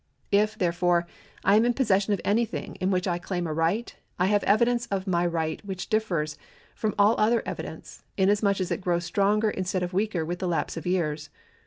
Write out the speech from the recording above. If, therefore, I am in possession of anything in which I claim a right, I have evidence of my right which differs from all other evidence, inasmuch as it grows stronger instead of weaker with the lapse of years.